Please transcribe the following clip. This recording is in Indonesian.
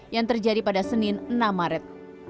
yang terjadi pada senin enam maret